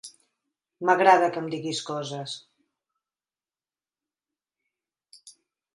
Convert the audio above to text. M'agrada que em diguis coses.